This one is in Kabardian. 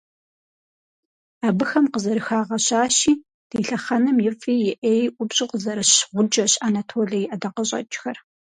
Абыхэм къызэрыхагъэщащи, «ди лъэхъэнэм и фӀи и Ӏеи ӀупщӀу къызэрыщ гъуджэщ Анатолэ и ӀэдакъэщӀэкӀхэр».